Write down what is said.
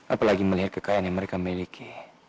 apalagi melihat kekayaan yang mereka miliki